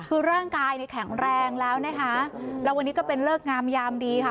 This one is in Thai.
คือร่างกายเนี่ยแข็งแรงแล้วนะคะแล้ววันนี้ก็เป็นเลิกงามยามดีค่ะ